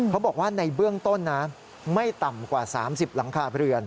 เขาบอกว่าในเบื้องต้นนะไม่ต่ำกว่า๓๐หลังคาเรือน